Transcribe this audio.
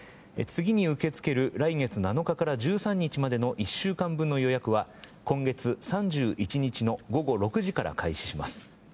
次に受け付ける来月７日から１３日までの１週間分の予約は今月３１日の午後６時から開始します。